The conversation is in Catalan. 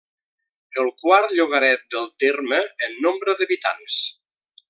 El quart llogaret del terme en nombre d'habitants.